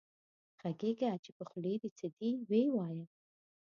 غږېږه چې په خولې دې څه دي وې وايه